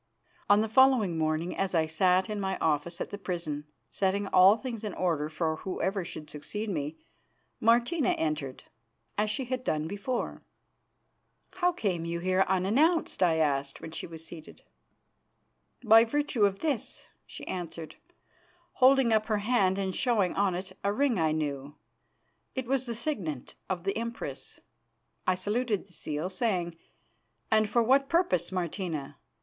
On the following morning, as I sat in my office at the prison, setting all things in order for whoever should succeed me, Martina entered, as she had done before. "How came you here unannounced?" I asked, when she was seated. "By virtue of this," she answered, holding up her hand and showing on it a ring I knew. It was the signet of the Empress. I saluted the seal, saying: "And for what purpose, Martina?